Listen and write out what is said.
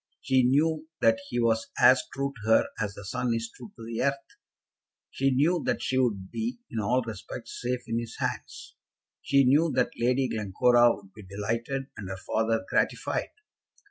She knew that he was as true to her as the sun is true to the earth. She knew that she would be, in all respects, safe in his hands. She knew that Lady Glencora would be delighted, and her father gratified.